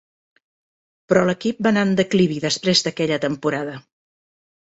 Però l'equip va anar en declivi després d'aquella temporada.